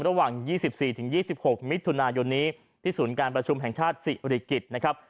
ระหว่างยี่สิบสี่ถึงยี่สิบหกมิตรทุนายนนี้ที่ศูนย์การประชุมแห่งชาติสิริกิจนะครับ